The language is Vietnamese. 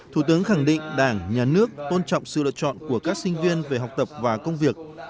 thủ tướng khẳng định đảng nhà nước tôn trọng sự lựa chọn của các sinh viên về học tập và công việc